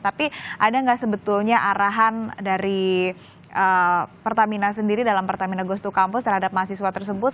tapi ada nggak sebetulnya arahan dari pertamina sendiri dalam pertamina ghost to kampus terhadap mahasiswa tersebut